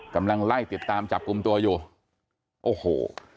กำลังไล่ติดตามจับกลุ่มตัวอยู่โอ้โห